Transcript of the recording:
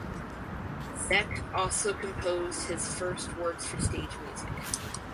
Zech also composed his first works for stage music.